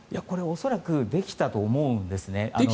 恐らくできたと思うんですね。